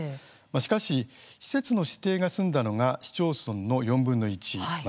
しかし施設の指定が済んだのが市町村の４分の１。